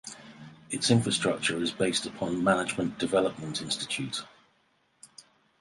Its infrastructure is based on Management Development Institute.